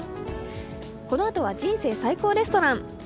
このあとは「人生最高レストラン」。